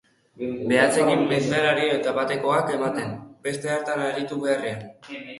Behatzekin mantelari tapatekoak ematen, beste hartan aritu beharrean.